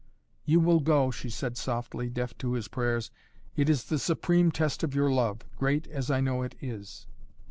"You will go," she said softly, deaf to his prayers. "It is the supreme test of your love, great as I know it is."